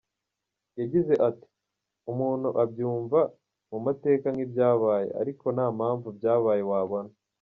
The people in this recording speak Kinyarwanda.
Yagize ati “Umuntu abyumva mu mateka nk’ibyabaye, ariko nta mpamvu byabaye wabona.